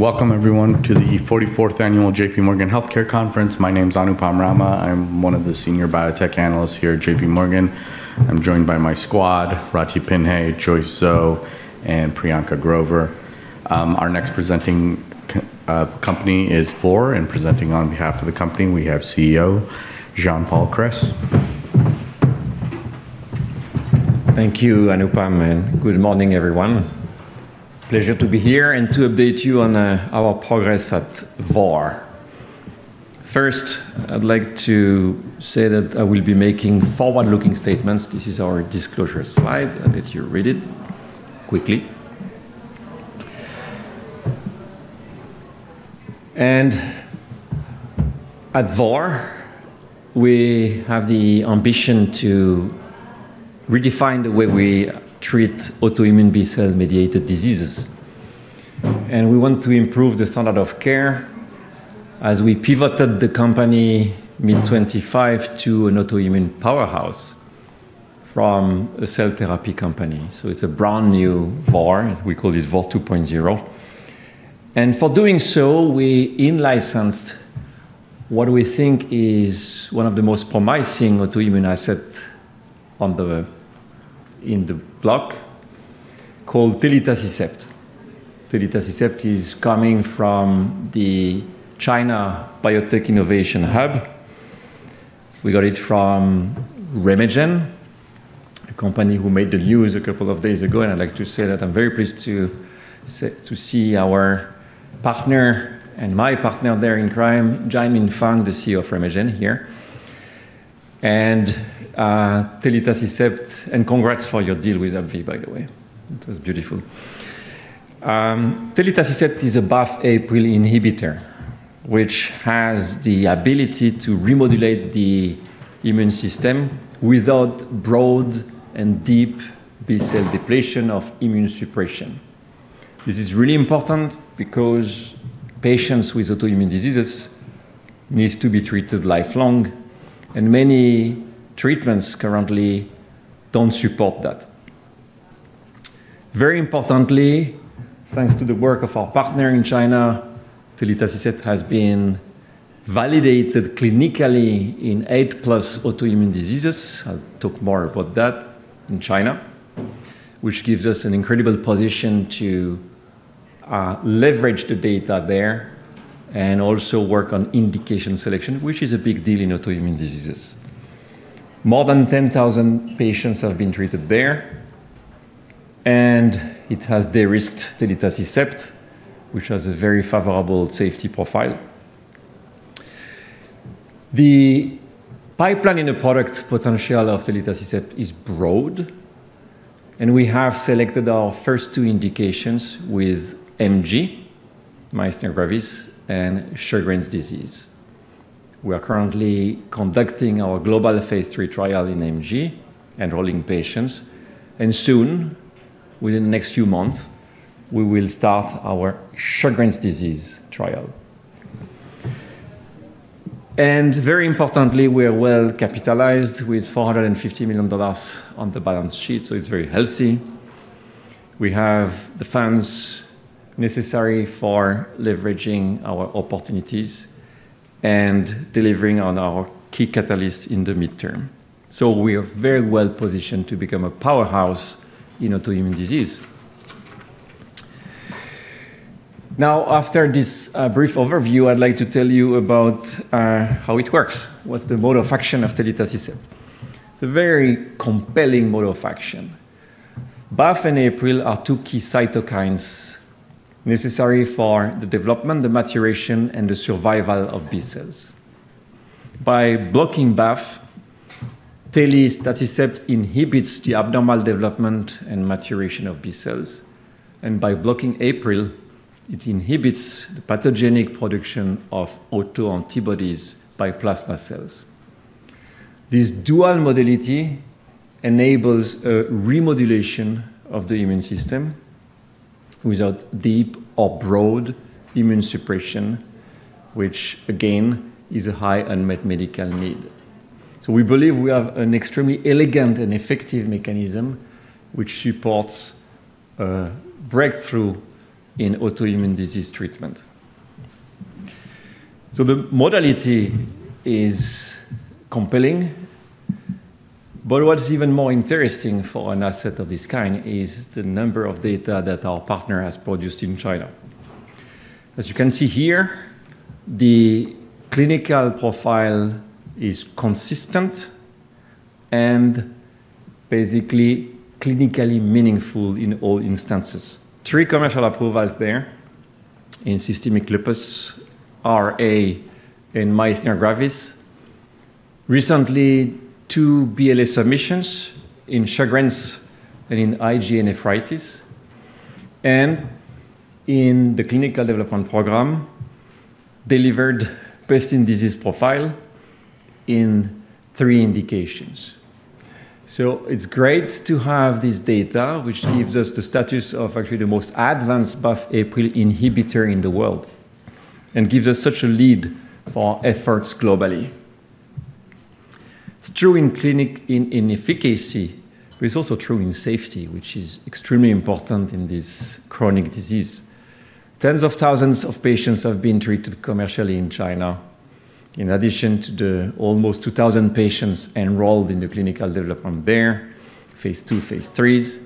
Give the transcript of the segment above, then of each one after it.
Welcome, everyone, to the 44th Annual JPMorgan Healthcare Conference. My name is Anupam Rama. I'm one of the Senior Biotech Analysts here at JPMorgan. I'm joined by my squad: Ratih Pinhay, Joyce Zhou, and Priyanka Grover. Our next presenting company is Vor and presenting on behalf of the company, we have CEO Jean-Paul Kress. Thank you, Anupam. And good morning, everyone. Pleasure to be here and to update you on our progress at Vor. First, I'd like to say that I will be making forward-looking statements. This is our disclosure slide. I'll let you read it quickly. And at Vor, we have the ambition to redefine the way we treat autoimmune B-cell mediated diseases. And we want to improve the standard of care as we pivoted the company mid-2025 to an autoimmune powerhouse from a cell therapy company. So it's a brand new Vor. We call it Vor 2.0. And for doing so, we in-licensed what we think is one of the most promising autoimmune assets in the block called telitacicept. Telitacicept is coming from the China Biotech Innovation Hub. We got it from RemeGen, a company who made the news a couple of days ago. I'd like to say that I'm very pleased to see our partner and my partner there in crime, Jianmin Fang, the CEO of RemeGen here. Telitacicept, and congrats for your deal with AbbVie, by the way. It was beautiful. Telitacicept is a BAFF/APRIL inhibitor, which has the ability to remodulate the immune system without broad and deep B-cell depletion of immune suppression. This is really important because patients with autoimmune diseases need to be treated lifelong, and many treatments currently don't support that. Very importantly, thanks to the work of our partner in China, Telitacicept has been validated clinically in eight plus autoimmune diseases. I'll talk more about that in China, which gives us an incredible position to leverage the data there and also work on indication selection, which is a big deal in autoimmune diseases. More than 10,000 patients have been treated there, and it has de-risked telitacicept, which has a very favorable safety profile. The pipeline and the product potential of telitacicept is broad, and we have selected our first two indications with MG, myasthenia gravis, and Sjögren's disease. We are currently conducting our global Phase 3 trial in MG and rolling patients, and soon, within the next few months, we will start our Sjögren's disease trial, and very importantly, we are well capitalized with $450 million on the balance sheet, so it's very healthy. We have the funds necessary for leveraging our opportunities and delivering on our key catalysts in the midterm, so we are very well positioned to become a powerhouse in autoimmune disease. Now, after this brief overview, I'd like to tell you about how it works, what's the mode of action of telitacicept. It's a very compelling mode of action. BAFF and APRIL are two key cytokines necessary for the development, the maturation, and the survival of B-cells. By blocking BAFF, telitacicept inhibits the abnormal development and maturation of B-cells, and by blocking APRIL, it inhibits the pathogenic production of autoantibodies by plasma cells. This dual modality enables a remodulation of the immune system without deep or broad immune suppression, which again is a high unmet medical need, so we believe we have an extremely elegant and effective mechanism which supports a breakthrough in autoimmune disease treatment, so the modality is compelling, but what's even more interesting for an asset of this kind is the number of data that our partner has produced in China. As you can see here, the clinical profile is consistent and basically clinically meaningful in all instances. Three commercial approvals there in systemic lupus, RA, and myasthenia gravis. Recently, two BLA submissions in Sjögren's and in IgA nephritis, and in the clinical development program delivered best-in-disease profile in three indications. So it's great to have this data, which gives us the status of actually the most advanced BAFF/APRIL inhibitor in the world and gives us such a lead for efforts globally. It's true in clinical efficacy, but it's also true in safety, which is extremely important in this chronic disease. Tens of thousands of patients have been treated commercially in China, in addition to the almost 2,000 patients enrolled in the clinical development there, Phase 2, Phase 3s.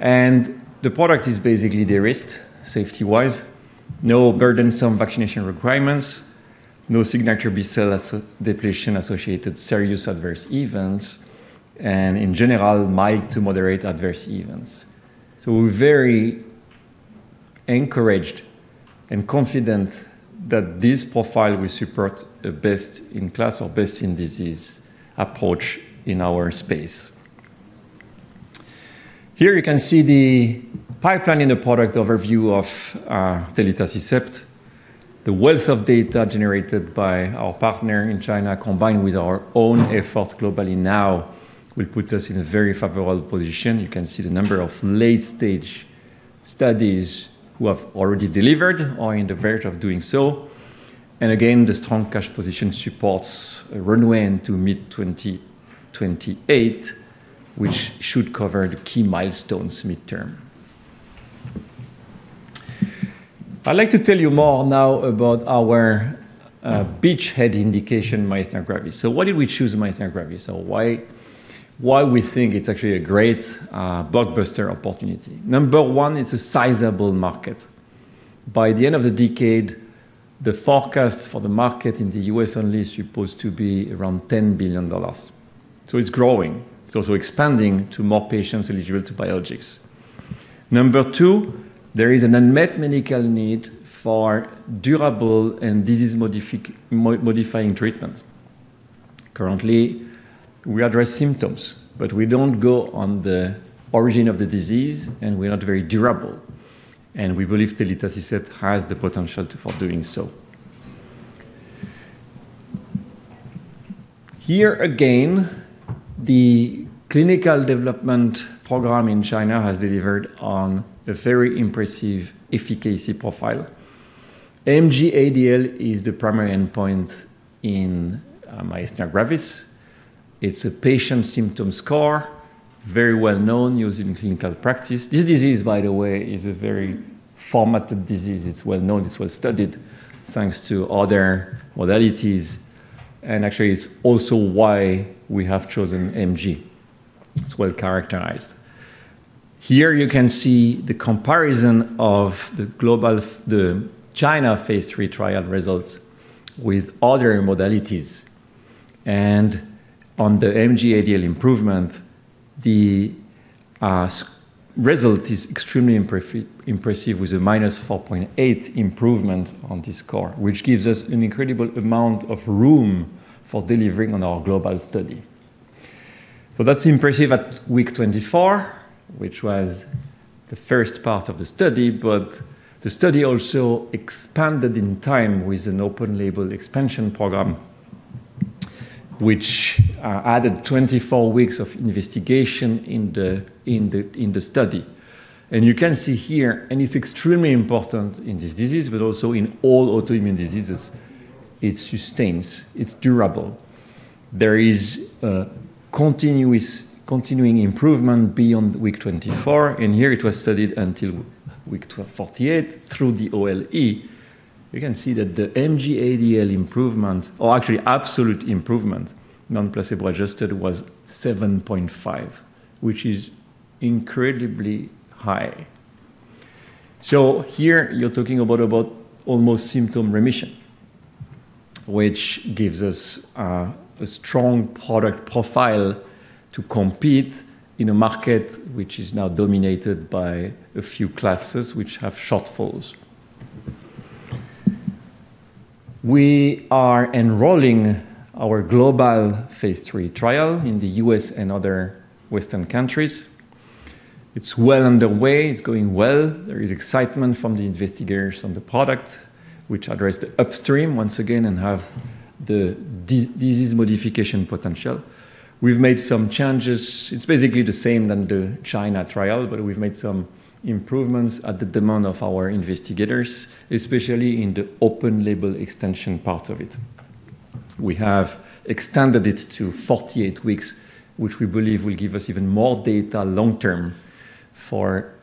And the product is basically de-risked safety-wise. No burdensome vaccination requirements, no signature B-cell depletion-associated serious adverse events, and in general, mild to moderate adverse events. So we're very encouraged and confident that this profile will support a best-in-class or best-in-disease approach in our space. Here you can see the pipeline and the product overview of telitacicept. The wealth of data generated by our partner in China, combined with our own efforts globally now, will put us in a very favorable position. You can see the number of late-stage studies who have already delivered or are on the verge of doing so, and again, the strong cash position supports a runway into mid-2028, which should cover the key milestones midterm. I'd like to tell you more now about our beachhead indication, myasthenia gravis, so why did we choose myasthenia gravis, so why we think it's actually a great blockbuster opportunity? Number one, it's a sizable market. By the end of the decade, the forecast for the market in the US only is supposed to be around $10 billion, so it's growing. It's also expanding to more patients eligible to biologics. Number two, there is an unmet medical need for durable and disease-modifying treatments. Currently, we address symptoms, but we don't go on the origin of the disease, and we're not very durable. We believe telitacicept has the potential for doing so. Here again, the clinical development program in China has delivered on a very impressive efficacy profile. MG-ADL is the primary endpoint in myasthenia gravis. It's a patient symptom score, very well-known in clinical practice. This disease, by the way, is a very formidable disease. It's well-known. It's well-studied, thanks to other modalities. Actually, it's also why we have chosen MG. It's well-characterized. Here you can see the comparison of the China Phase 3 trial results with other modalities. On the MG-ADL improvement, the result is extremely impressive with a minus 4.8 improvement on this score, which gives us an incredible amount of room for delivering on our global study. That's impressive at week 24, which was the first part of the study, but the study also expanded in time with an open-label expansion program, which added 24 weeks of investigation in the study. You can see here, and it's extremely important in this disease, but also in all autoimmune diseases, it sustains. It's durable. There is continuing improvement beyond week 24. Here it was studied until week 48 through the OLE. You can see that the MG-ADL improvement, or actually absolute improvement, non-placebo adjusted, was 7.5, which is incredibly high. So here you're talking about almost symptom remission, which gives us a strong product profile to compete in a market which is now dominated by a few classes which have shortfalls. We are enrolling our global Phase 3 trial in the U.S. and other Western countries. It's well underway. It's going well. There is excitement from the investigators on the product, which addressed the upstream once again and have the disease modification potential. We've made some changes. It's basically the same than the China trial, but we've made some improvements at the demand of our investigators, especially in the open-label extension part of it. We have extended it to 48 weeks, which we believe will give us even more data long-term for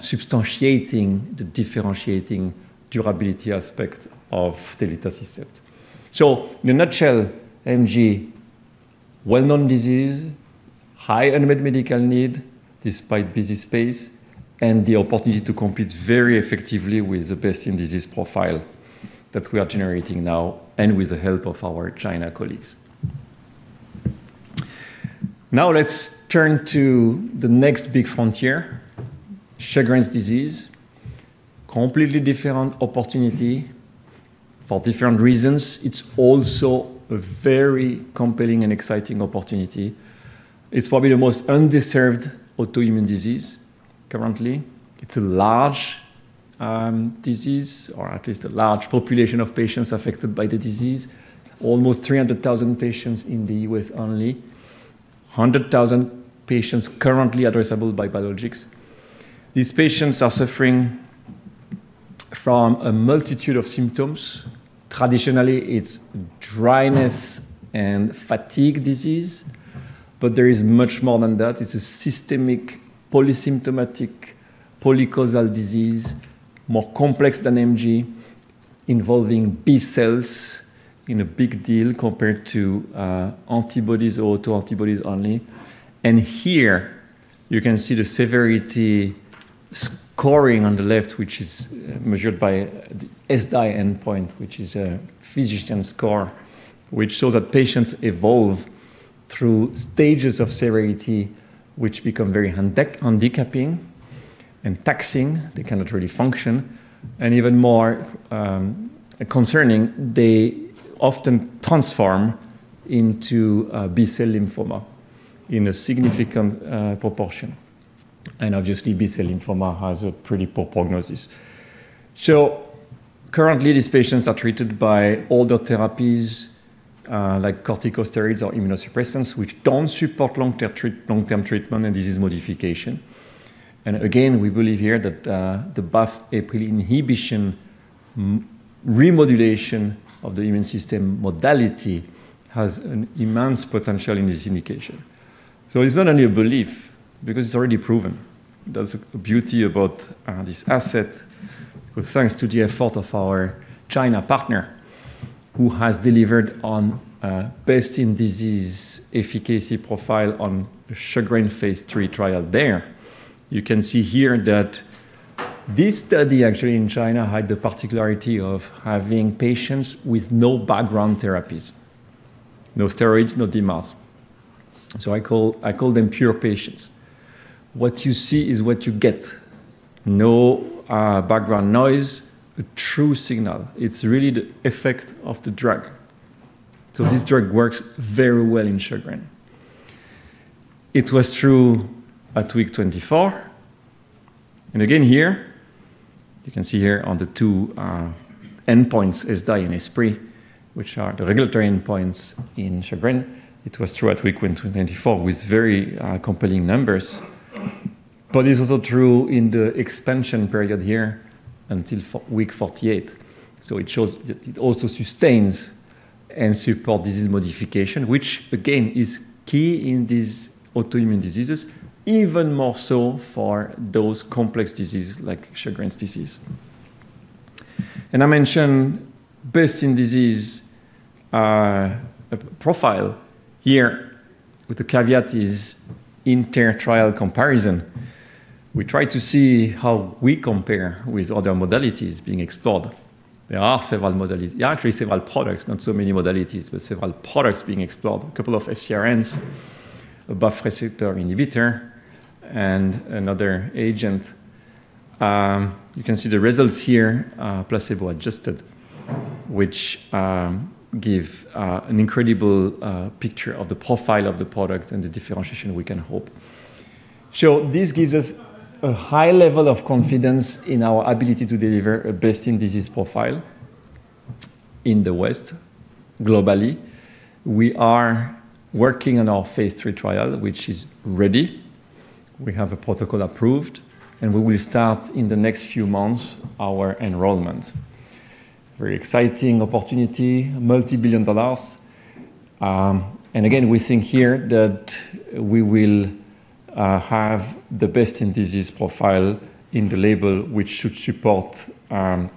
substantiating the differentiating durability aspect of telitacicept. In a nutshell, MG, well-known disease, high unmet medical need despite busy space, and the opportunity to compete very effectively with the best-in-disease profile that we are generating now and with the help of our China colleagues. Now let's turn to the next big frontier, Sjögren's disease. Completely different opportunity for different reasons. It's also a very compelling and exciting opportunity. It's probably the most underserved autoimmune disease currently. It's a large disease, or at least a large population of patients affected by the disease. Almost 300,000 patients in the U.S. only. 100,000 patients currently addressable by biologics. These patients are suffering from a multitude of symptoms. Traditionally, it's dryness and fatigue disease, but there is much more than that. It's a systemic polysymptomatic polycausal disease, more complex than MG, involving B-cells in a big deal compared to antibodies or autoantibodies only. And here you can see the severity scoring on the left, which is measured by the SDI endpoint, which is a physician score, which shows that patients evolve through stages of severity, which become very handicapping and taxing. They cannot really function. And even more concerning, they often transform into B-cell lymphoma in a significant proportion. And obviously, B-cell lymphoma has a pretty poor prognosis. So currently, these patients are treated by older therapies like corticosteroids or immunosuppressants, which don't support long-term treatment and disease modification. And again, we believe here that the BAFF/APRIL inhibition remodulation of the immune system modality has an immense potential in this indication. So it's not only a belief because it's already proven. That's the beauty about this asset. Thanks to the effort of our China partner, who has delivered on best-in-disease efficacy profile on the Sjögren's Phase 3 trial there. You can see here that this study actually in China had the particularity of having patients with no background therapies, no steroids, no DMARDs. So I call them pure patients. What you see is what you get. No background noise, a true signal. It's really the effect of the drug. So this drug works very well in Sjögren's. It was true at week 24. And again, here, you can see here on the two endpoints, SDI and ESSPRI, which are the regulatory endpoints in Sjögren's. It was true at week 24 with very compelling numbers. But it's also true in the expansion period here until week 48. So it shows that it also sustains and supports disease modification, which again is key in these autoimmune diseases, even more so for those complex diseases like Sjögren's disease. And I mentioned best-in-disease profile here with the caveat is inter-trial comparison. We try to see how we compare with other modalities being explored. There are several modalities, actually several products, not so many modalities, but several products being explored, a couple of FcRns, a BAFF receptor inhibitor, and another agent. You can see the results here, placebo-adjusted, which give an incredible picture of the profile of the product and the differentiation we can hope. So this gives us a high level of confidence in our ability to deliver a best-in-disease profile in the West globally. We are working on our Phase 3 trial, which is ready. We have a protocol approved, and we will start in the next few months our enrollment. Very exciting opportunity, multi-billion dollars. And again, we think here that we will have the best-in-disease profile in the label, which should support a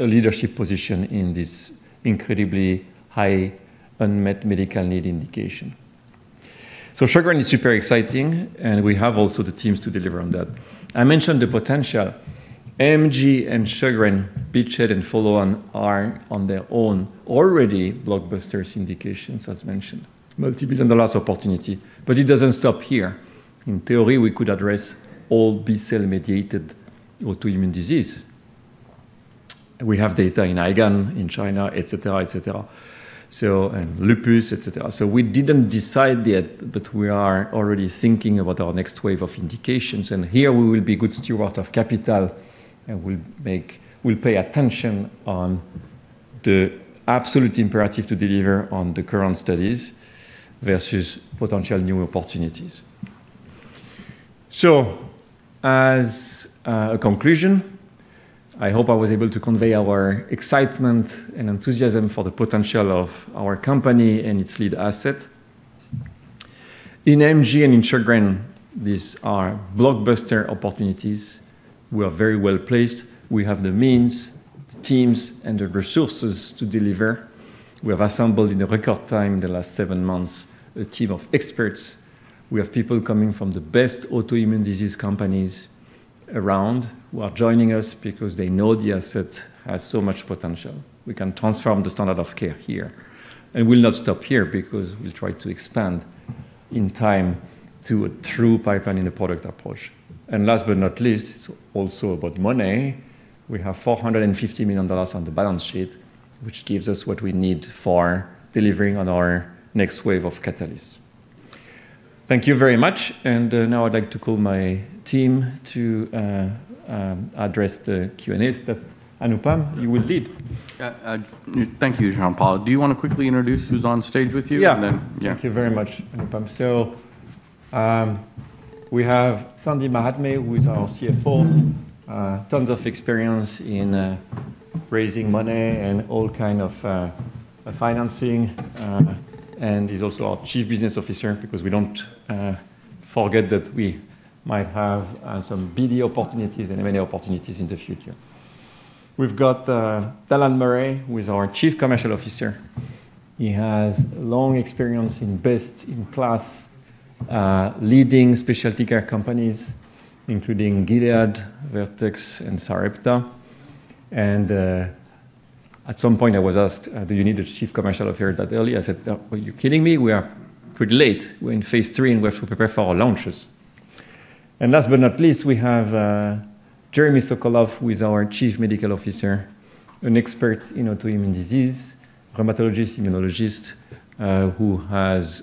leadership position in this incredibly high unmet medical need indication. Sjögren's is super exciting, and we have also the teams to deliver on that. I mentioned the potential. MG and Sjögren's, beachhead and follow-on, are on their own already blockbuster indications, as mentioned. Multi-billion-dollar opportunity. It doesn't stop here. In theory, we could address all B-cell-mediated autoimmune disease. We have data in IgAN, in China, etc., etc., and lupus, etc. We didn't decide yet, but we are already thinking about our next wave of indications. Here we will be good stewards of capital, and we'll pay attention on the absolute imperative to deliver on the current studies versus potential new opportunities. As a conclusion, I hope I was able to convey our excitement and enthusiasm for the potential of our company and its lead asset. In MG and in Sjögren's, these are blockbuster opportunities. We are very well placed. We have the means, the teams, and the resources to deliver. We have assembled in record time in the last seven months a team of experts. We have people coming from the best autoimmune disease companies around who are joining us because they know the asset has so much potential. We can transform the standard of care here. And we'll not stop here because we'll try to expand in time to a true pipeline in the product approach. And last but not least, it's also about money. We have $450 million on the balance sheet, which gives us what we need for delivering on our next wave of catalysts. Thank you very much. And now I'd like to call my team to address the Q&A. Anupam, you will lead. Thank you, Jean-Paul. Do you want to quickly introduce who's on stage with you? Yeah. Thank you very much, Anupam. So we have Sandy Mahatme, who is our CFO, tons of experience in raising money and all kinds of financing. And he's also our Chief Business Officer because we don't forget that we might have some BD opportunities and M&A opportunities in the future. We've got Dallan Murray, who is our Chief Commercial Officer. He has long experience in best-in-class leading specialty care companies, including Gilead, Vertex, and Sarepta. And at some point, I was asked, "Do you need a chief commercial officer that early?" I said, "Are you kidding me? We are pretty late. We're in Phase 3, and we have to prepare for our launches." And last but not least, we have Jeremy Sokolove, who is our Chief Medical Officer, an expert in autoimmune disease, rheumatologist, immunologist, who has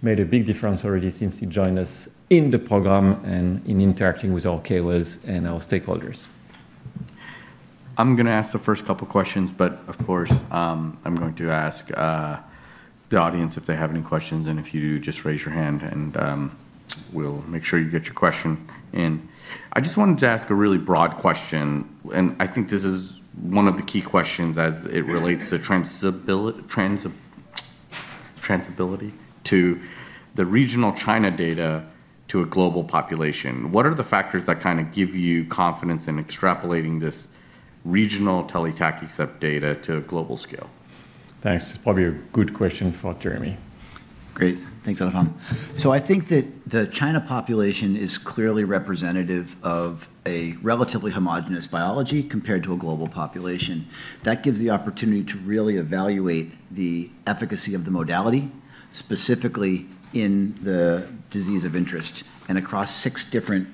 made a big difference already since he joined us in the program and in interacting with our KOLs and our stakeholders. I'm going to ask the first couple of questions, but of course, I'm going to ask the audience if they have any questions. And if you do, just raise your hand, and we'll make sure you get your question in. I just wanted to ask a really broad question. And I think this is one of the key questions as it relates to transferability to the regional China data to a global population. What are the factors that kind of give you confidence in extrapolating this regional telitacicept data to a global scale? Thanks. It's probably a good question for Jeremy. Great. Thanks, Anupam. So I think that the China population is clearly representative of a relatively homogeneous biology compared to a global population. That gives the opportunity to really evaluate the efficacy of the modality, specifically in the disease of interest and across six different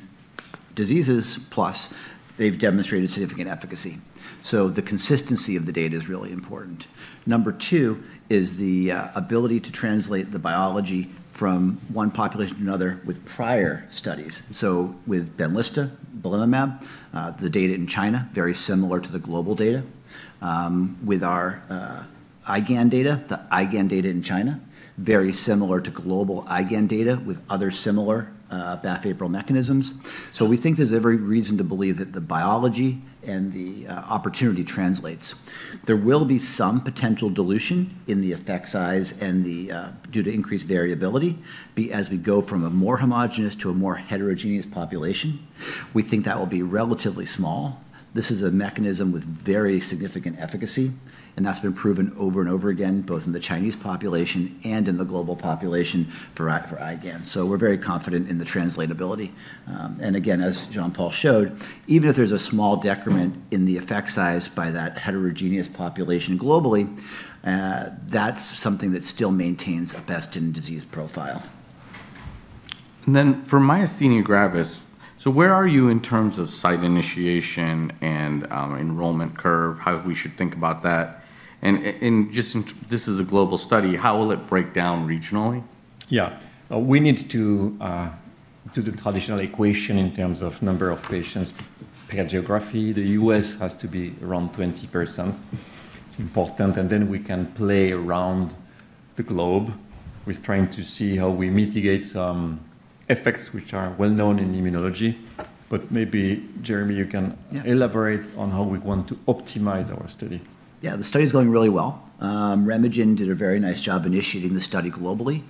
diseases plus, they've demonstrated significant efficacy. So the consistency of the data is really important. Number two is the ability to translate the biology from one population to another with prior studies. So with Benlysta, belimumab, the data in China, very similar to the global data. With our IgAN data, the IgAN data in China, very similar to global IgAN data with other similar BAFF and APRIL mechanisms. We think there's every reason to believe that the biology and the opportunity translates. There will be some potential dilution in the effect size due to increased variability as we go from a more homogenous to a more heterogeneous population. We think that will be relatively small. This is a mechanism with very significant efficacy, and that's been proven over and over again, both in the Chinese population and in the global population for IgAN. We're very confident in the translatability. And again, as Jean-Paul showed, even if there's a small decrement in the effect size by that heterogeneous population globally, that's something that still maintains a best-in-disease profile. And then for myasthenia gravis, so where are you in terms of site initiation and enrollment curve, how we should think about that? And just this is a global study. How will it break down regionally? Yeah. We need to do the traditional equation in terms of number of patients, geography. The U.S. has to be around 20%. It's important. And then we can play around the globe with trying to see how we mitigate some effects which are well-known in immunology. But maybe Jeremy, you can elaborate on how we want to optimize our study. Yeah, the study is going really well. RemeGen did a very nice job initiating the study globally.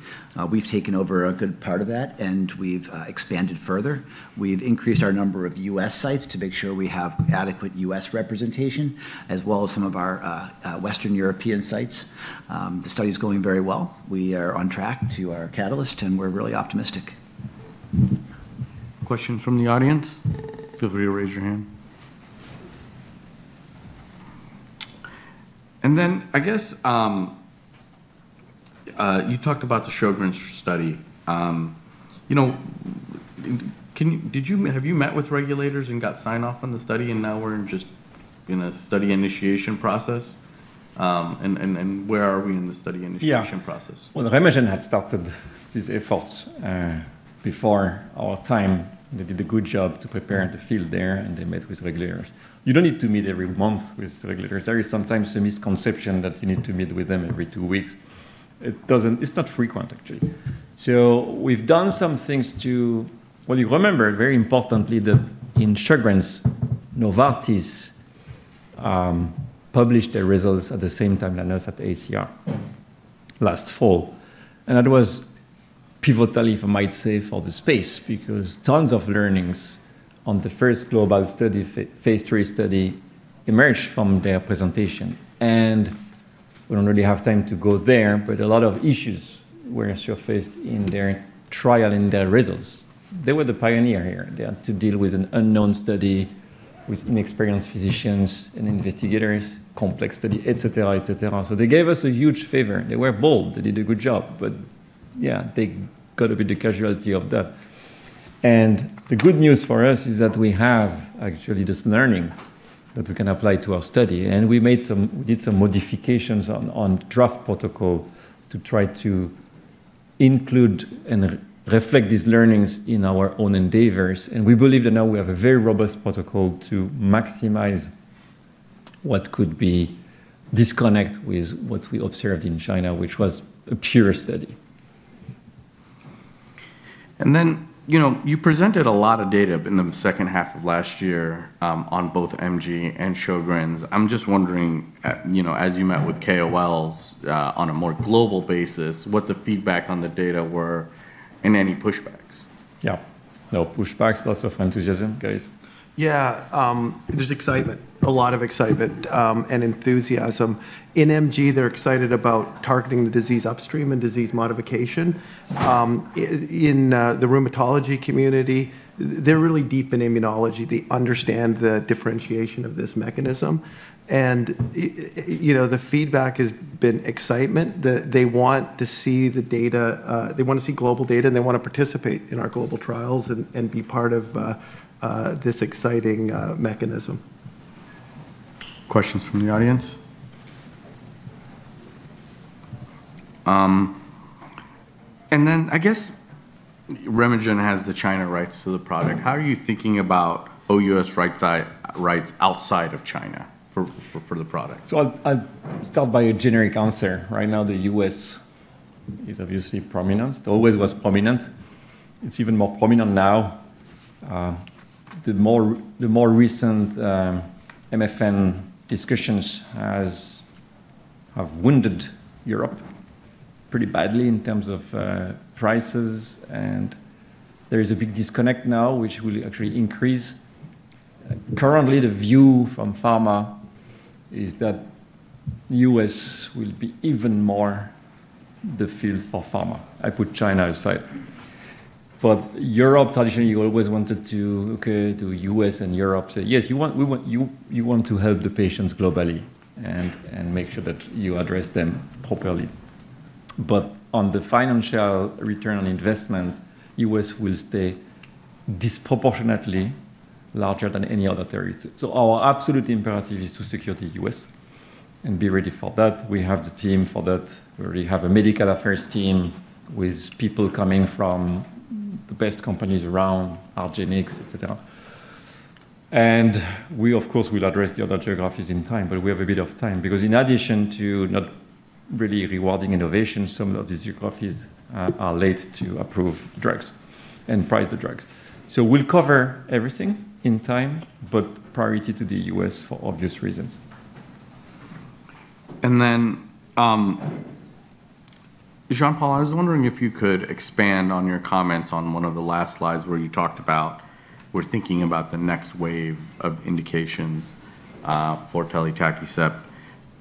We've taken over a good part of that, and we've expanded further. We've increased our number of U.S. sites to make sure we have adequate U.S. representation, as well as some of our Western European sites. The study is going very well. We are on track to our catalyst, and we're really optimistic. Question from the audience? Feel free to raise your hand. And then I guess you talked about the Sjögren's study. Have you met with regulators and got sign-off on the study? And now we're just in a study initiation process? And where are we in the study initiation process? Yeah. Well, RemeGen had started these efforts before our time. They did a good job to prepare the field there, and they met with regulators. You don't need to meet every month with regulators. There is sometimes a misconception that you need to meet with them every two weeks. It's not frequent, actually. So we've done some things to, well, you remember very importantly that in Sjögren's, Novartis published their results at the same time as us at ACR last fall. And that was pivotal, if I might say, for the space because tons of learnings on the first global study, Phase 3 study, emerged from their presentation. We don't really have time to go there, but a lot of issues were surfaced in their trial in their results. They were the pioneer here. They had to deal with an unknown study with inexperienced physicians and investigators, complex study, etc., etc. They gave us a huge favor. They were bold. They did a good job. Yeah, they got a bit of casualty of that. The good news for us is that we have actually this learning that we can apply to our study. We did some modifications on draft protocol to try to include and reflect these learnings in our own endeavors. We believe that now we have a very robust protocol to maximize what could be disconnect with what we observed in China, which was a prior study. And then you presented a lot of data in the second half of last year on both MG and Sjögren's. I'm just wondering, as you met with KOLs on a more global basis, what the feedback on the data were and any pushbacks? Yeah. No pushbacks. Lots of enthusiasm, guys. Yeah. There's excitement, a lot of excitement and enthusiasm. In MG, they're excited about targeting the disease upstream and disease modification. In the rheumatology community, they're really deep in immunology. They understand the differentiation of this mechanism. And the feedback has been excitement. They want to see the data. They want to see global data, and they want to participate in our global trials and be part of this exciting mechanism. Questions from the audience? And then I guess RemeGen has the China rights to the product. How are you thinking about OUS rights outside of China for the product? So I'll stop with a generic answer. Right now, the U.S. is obviously prominent. It always was prominent. It's even more prominent now. The more recent MFN discussions have wounded Europe pretty badly in terms of prices. And there is a big disconnect now, which will actually increase. Currently, the view from pharma is that the U.S. will be even more the field for pharma. I put China aside. But Europe, traditionally, you always wanted to, okay, to U.S. and Europe, say, "Yes, you want to help the patients globally and make sure that you address them properly." But on the financial return on investment, U.S. will stay disproportionately larger than any other territory. So our absolute imperative is to secure the U.S. and be ready for that. We have the team for that. We already have a medical affairs team with people coming from the best companies around, Argenx, etc., and we, of course, will address the other geographies in time, but we have a bit of time because in addition to not really rewarding innovation, some of these geographies are late to approve drugs and price the drugs. So we'll cover everything in time, but priority to the US for obvious reasons. And then, Jean-Paul, I was wondering if you could expand on your comments on one of the last slides where you talked about we're thinking about the next wave of indications for telitacicept.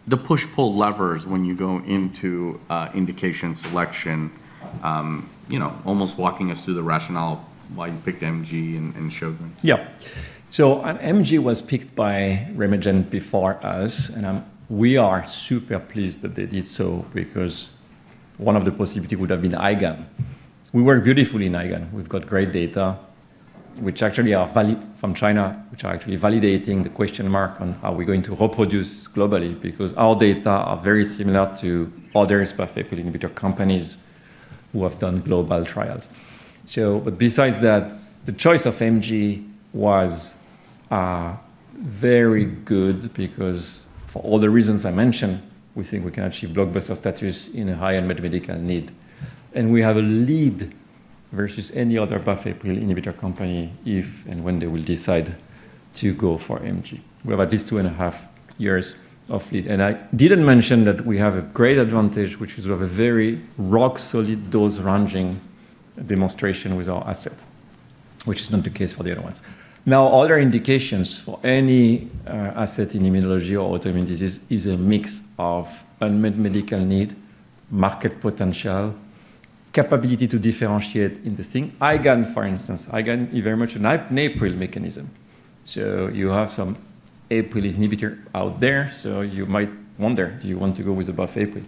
The push-pull levers when you go into indication selection, almost walking us through the rationale of why you picked MG and Sjögren's. Yeah, so MG was picked by RemeGen before us. We are super pleased that they did so because one of the possibilities would have been IgAN. We work beautifully in IgAN. We've got great data, which actually are from China, which are actually validating the question mark on how we're going to reproduce globally because our data are very similar to others by putting in with your companies who have done global trials. But besides that, the choice of MG was very good because for all the reasons I mentioned, we think we can achieve blockbuster status in a high-end medical need. We have a lead versus any other BAFF inhibitor company if and when they will decide to go for MG. We have at least two and a half years of lead. I didn't mention that we have a great advantage, which is we have a very rock-solid dose-ranging demonstration with our asset, which is not the case for the other ones. Now, other indications for any asset in immunology or autoimmune disease is a mix of unmet medical need, market potential, capability to differentiate in the thing. IgAN, for instance, IgAN, you very much an APRIL mechanism. So you have some APRIL inhibitor out there. So you might wonder, do you want to go with a BAFF APRIL?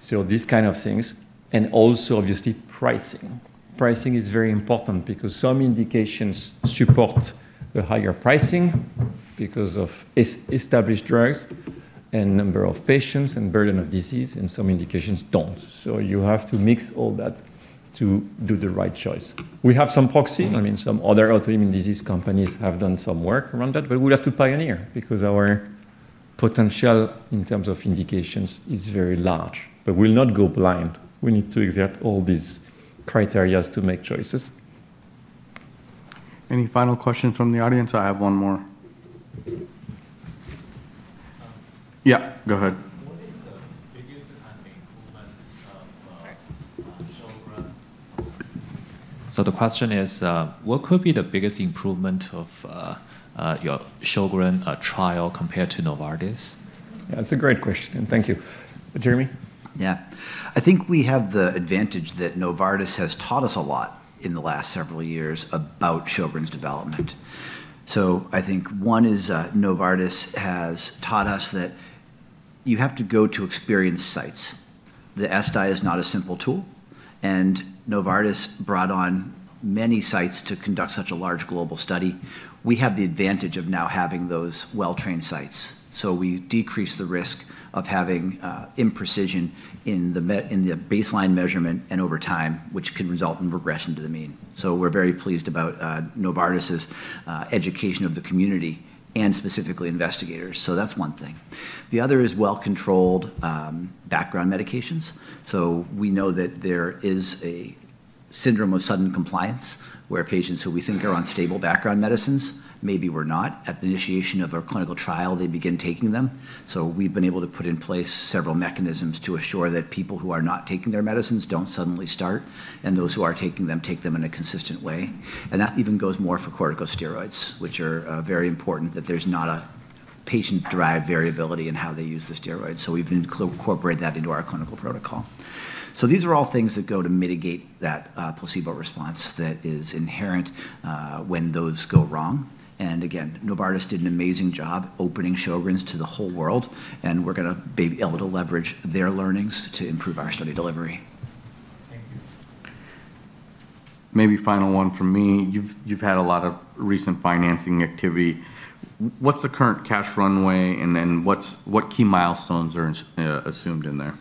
So these kind of things. And also, obviously, pricing. Pricing is very important because some indications support a higher pricing because of established drugs and number of patients and burden of disease, and some indications don't. So you have to mix all that to do the right choice. We have some proxy. I mean, some other autoimmune disease companies have done some work around that, but we'll have to pioneer because our potential in terms of indications is very large. But we'll not go blind. We need to exert all these criteria to make choices. Any final questions from the audience? I have one more. Yeah, go ahead. What is the biggest improvement of Sjögren's? So the question is, what could be the biggest improvement of your Sjögren's trial compared to Novartis? Yeah, that's a great question. And thank you. Jeremy? Yeah. I think we have the advantage that Novartis has taught us a lot in the last several years about Sjögren's development. So I think one is Novartis has taught us that you have to go to experience sites. The SDI is not a simple tool. And Novartis brought on many sites to conduct such a large global study. We have the advantage of now having those well-trained sites. We decrease the risk of having imprecision in the baseline measurement and over time, which can result in regression to the mean. We're very pleased about Novartis's education of the community and specifically investigators. That's one thing. The other is well-controlled background medications. We know that there is a syndrome of sudden compliance where patients who we think are on stable background medicines, maybe we're not. At the initiation of our clinical trial, they begin taking them. We've been able to put in place several mechanisms to assure that people who are not taking their medicines don't suddenly start, and those who are taking them take them in a consistent way. That even goes more for corticosteroids, which are very important that there's not a patient-derived variability in how they use the steroids. We've incorporated that into our clinical protocol. These are all things that go to mitigate that placebo response that is inherent when those go wrong. And again, Novartis did an amazing job opening Sjögren's to the whole world. And we're going to be able to leverage their learnings to improve our study delivery. Thank you. Maybe final one from me. You've had a lot of recent financing activity. What's the current cash runway, and then what key milestones are assumed in there?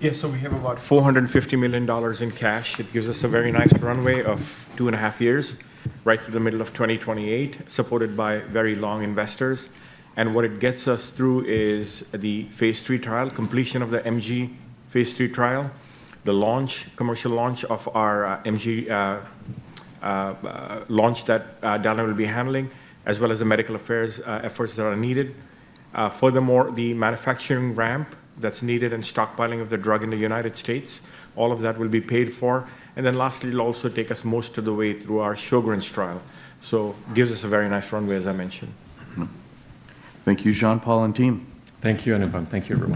Yeah, so we have about $450 million in cash. It gives us a very nice runway of two and a half years, right through the middle of 2028, supported by very long investors. What it gets us through is the Phase 3 trial, completion of the MG Phase 3 trial, the commercial launch of our MG launch that Dallan will be handling, as well as the medical affairs efforts that are needed. Furthermore, the manufacturing ramp that's needed and stockpiling of the drug in the United States, all of that will be paid for. Then lastly, it'll also take us most of the way through our Sjögren's trial. It gives us a very nice runway, as I mentioned. Thank you, Jean-Paul and team. Thank you, Anupam. Thank you very much.